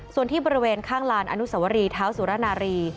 ส่วนที่บริเวณข้างลานอนุสวรีเท้าสุรนารี